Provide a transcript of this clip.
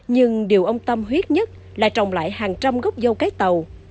nhưng điều ông tâm huyết nhất là trồng lại hàng trăm gốc dâu cái tàu